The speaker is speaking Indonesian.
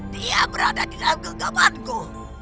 dia berada di dalam genggamanku